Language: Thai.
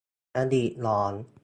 อดีตหลอน